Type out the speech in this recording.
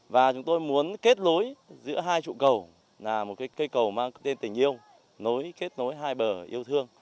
và chúng tôi muốn kết nối giữa hai trụ cầu là một cây cầu mang tên tình yêu kết nối hai bờ yêu thương